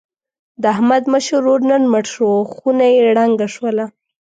د احمد مشر ورور نن مړ شو. خونه یې ړنګه شوله.